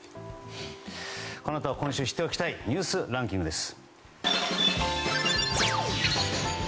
このあとは今週知っておきたいニュースランキングです。